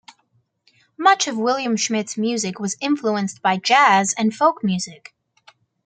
Much of William Schmidt's music was influenced by jazz and folk music.